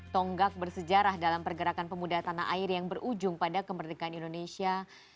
tonggak bersejarah dalam pergerakan pemuda tanah air yang berujung pada kemerdekaan indonesia